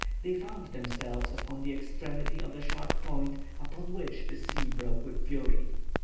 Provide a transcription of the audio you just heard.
They found themselves upon the extremity of a sharp point upon which the sea broke with fury.